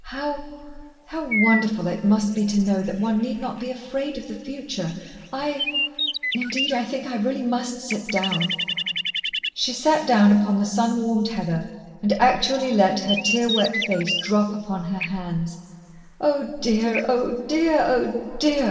How how wonderful it must be to know that one need not be afraid of the future! I indeed, I think I really must sit down." She sat down upon the sun warmed heather and actually let her tear wet face drop upon her hands. "Oh, dear! Oh, dear! Oh, dear!"